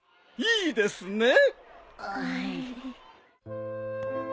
いいですね？